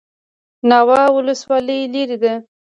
ناوه ولسوالۍ لیرې ده؟